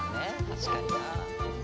確かにな。